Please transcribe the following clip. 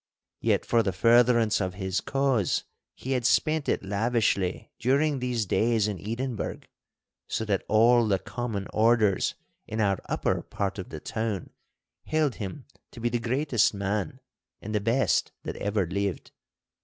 Yet for the furtherance of his cause he had spent it lavishly during these days in Edinburgh, so that all the common orders in our upper part of the town held him to be the greatest man and the best that ever lived.